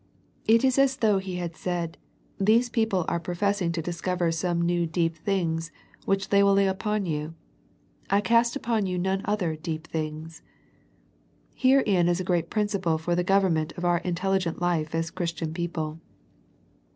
It is as though He had said, These people are professing to discover some new deep things, which they will lay upon you. " 1 cast upon you none other deep things." Herein is a great principle for the government of our intelligent life as Christian people.